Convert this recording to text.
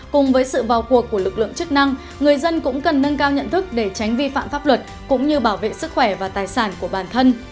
cùng với sự vào cuộc của lực lượng chức năng người dân cũng cần nâng cao nhận thức để tránh vi phạm pháp luật cũng như bảo vệ sức khỏe và tài sản của bản thân